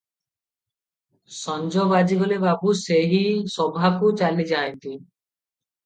ସଞ୍ଜ ବାଜିଗଲେ ବାବୁ ସେହି ସଭାକୁ ଚାଲିଯାନ୍ତି ।